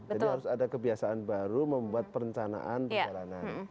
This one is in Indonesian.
jadi harus ada kebiasaan baru membuat perencanaan